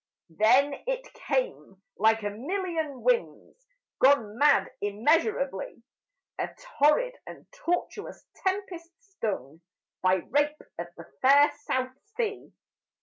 Then it came, like a million winds Gone mad immeasurably, A torrid and tortuous tempest stung By rape of the fair South Sea.